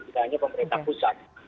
misalnya pemerintah pusat